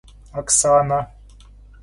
Оксана